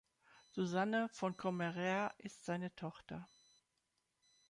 Susanne von Caemmerer ist seine Tochter.